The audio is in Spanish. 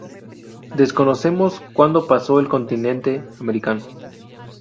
Desconocemos cuando pasó al continente americano.